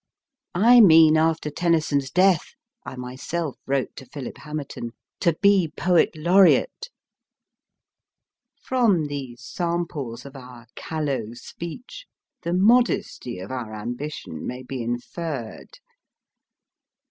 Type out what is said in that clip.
I mean, after Tennyson s death, I myself wrote to Philip Hamerton, * to be Poet Laureate ! From these samples of our callow speech, the modesty of our ambition may be inferred.